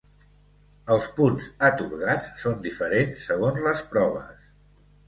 Els punts atorgats són diferents segons les proves.